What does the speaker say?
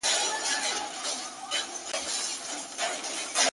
و ماته عجيبه دي توري د .